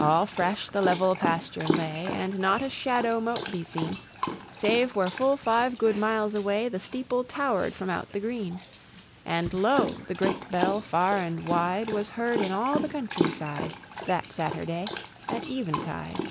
Alle fresh the level pasture lay, And not a shadowe mote be seene, Save where full fyve good miles away The steeple tower'd from out the greene; And lo! the great bell farre and wide Was heard in all the country side That Saturday at eventide.